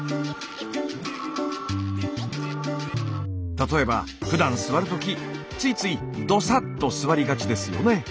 例えばふだん座るときついついどさっと座りがちですよね。